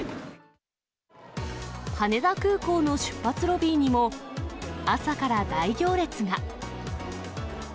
羽田空港の出発ロビーにも、朝から大行列が。